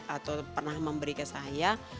atau pernah memberi ke saya